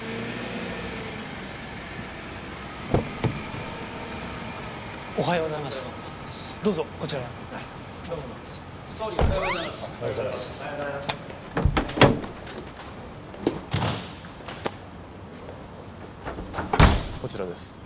総理おはようございます！